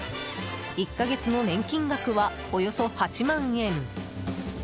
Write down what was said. １か月の年金額は、およそ８万円。